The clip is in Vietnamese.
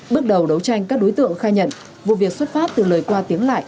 bước đầu đấu tranh các đối tượng khai nhận vụ việc xuất phát từ lời qua tiếng lại